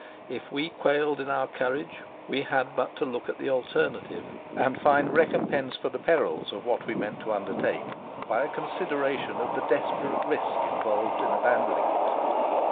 If we quailed in our courage: we had but to look at the alternative, and find recompense for the perils of what we meant to undertake by a consideration of the desperate risk involved in abandoning it.